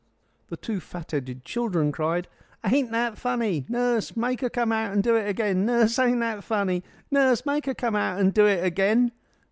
The two fat headed children cried, "Ain't that funny? Nurse, make her come out and do it again. Nurse, ain't that funny? Nurse, make her come out and do it again."